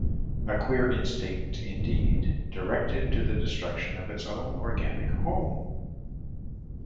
A queer instinct, indeed, directed to the destruction of its own organic home!'.